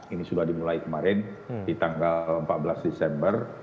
ini sudah dimulai kemarin di tanggal empat belas desember